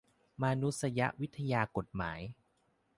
มานุษยวิทยากฎหมาย